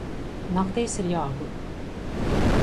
Naktīs ir jāguļ.